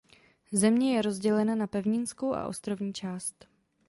Země je rozdělena na pevninskou a ostrovní část.